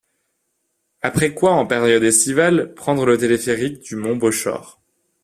Après quoi en période estivale, prendre le téléphérique du mont Bochor.